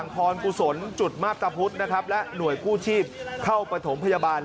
พรกุศลจุดมาพตะพุทธนะครับและหน่วยกู้ชีพเข้าประถมพยาบาล